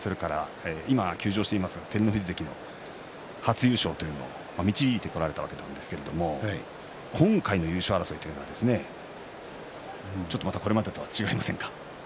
今は休場していますが照ノ富士関の初優勝というのも導いてこられたわけなんですけれども今回の優勝争いというのはちょっと、これまでとは違いませんか？